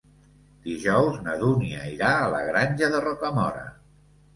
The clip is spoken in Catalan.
Dijous na Dúnia irà a la Granja de Rocamora.